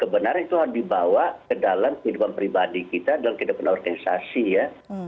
kebenaran itu harus dibawa ke dalam kehidupan pribadi kita dalam kehidupan organisasi ya